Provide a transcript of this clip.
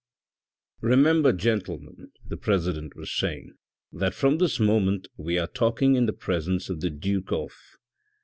" Remember, gentlemen," the president was saying " that from this moment we are talking in the presence of the duke of .